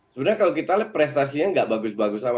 sebenarnya kalau kita lihat prestasinya tidak bagus bagus